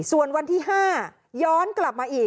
ส่วนวันที่๕ย้อนกลับมาอีก